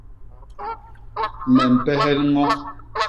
Me mpehel ño.